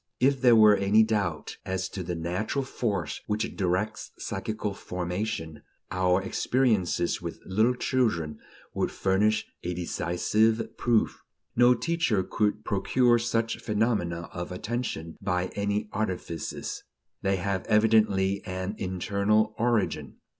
If there were any doubt as to the natural force which directs psychical formation, our experiences with little children would furnish a decisive proof. No teacher could procure such phenomena of attention by any artifices; they have evidently an internal origin.